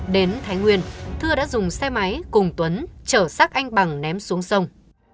đến thái nguyên thưa đã dùng xe máy cùng tuấn trở xác anh bằng ném xuống sông